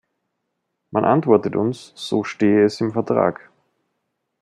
Man antwortet uns, so stehe es im Vertrag.